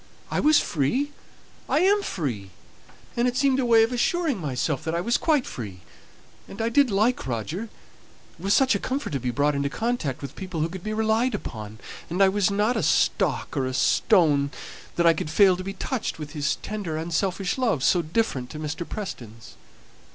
"I was free I am free; it seemed a way of assuring myself that I was quite free; and I did like Roger it was such a comfort to be brought into contact with people who could be relied upon; and I was not a stock or a stone that I could fail to be touched with his tender, unselfish love, so different to Mr. Preston's.